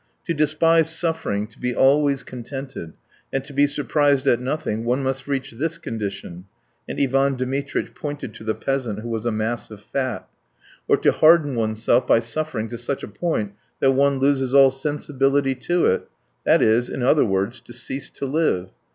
To despise suffering, to be always contented, and to be surprised at nothing, one must reach this condition" and Ivan Dmitritch pointed to the peasant who was a mass of fat "or to harden oneself by suffering to such a point that one loses all sensibility to it that is, in other words, to cease to live.